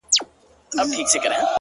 زه به همدغه سي شعرونه ليكم؛